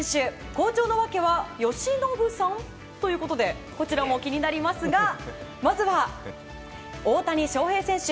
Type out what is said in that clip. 好調の訳は由伸さん？ということでこちらも気になりますがまずは、大谷翔平選手。